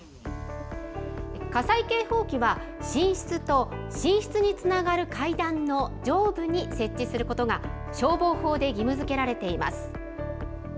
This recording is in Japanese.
火災警報器は、寝室と、寝室につながる階段の上部に設置することが、消防法で義務づけられています。